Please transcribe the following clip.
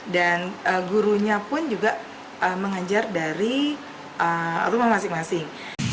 dan gurunya pun juga mengajar dari rumah masing masing